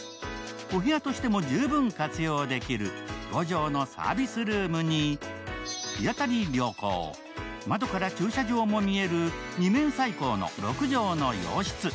お部屋としても十分活用できる５畳のサービスルームに、日当たり良好、窓から駐車場も見える二面採光の６畳の洋室。